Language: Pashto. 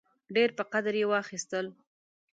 ډېر په قدر یې واخیستل.